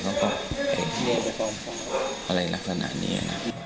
อะไรละขนาดนี้